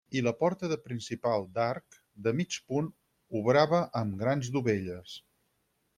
I la porta de principal d'arc de mig punt obrada amb grans dovelles.